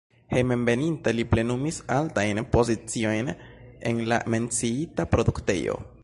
Hejmenveninta li plenumis altajn poziciojn en la menciita produktejo.